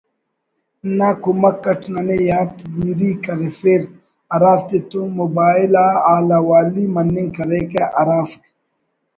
نا کمک اٹ ننے یات گیری کرفیر ہرافتتون موبائل آ حال حوالی مننگ کریکہ ہرافک